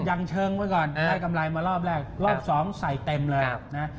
ยังเชิงไว้ก่อนได้กำไรมารอบแรกรอบสองใส่เต็มเลยนะ